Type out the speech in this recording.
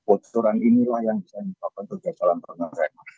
itu adalah yang bisa menyebabkan kejelasan terkenal rem